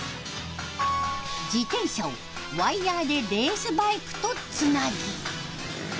自転車をワイヤでレースバイクとつなぎ。